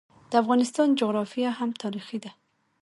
د افغانستان جغرافیه هم تاریخي ده.